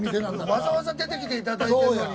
わざわざ出てきていただいてるのに。